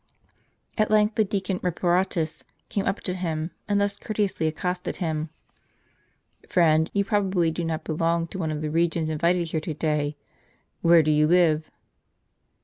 At length the Deacon Reparatus came up to him, and thus courteously accosted him :" Friend, you probably do not belong to one of the regions invited here to day. Where do you live?